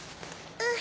うん。